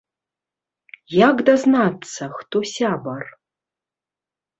Як дазнацца, хто сябар?